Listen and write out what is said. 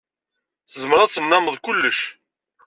Tzemred ad tennammed kullec.